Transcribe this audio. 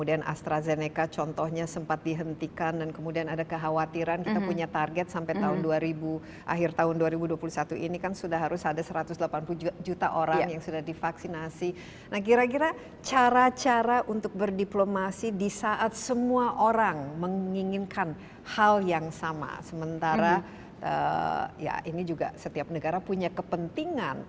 dan saya sering karena kita tukar pikiran dengan banyak menteri